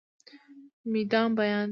مې دا بيان دی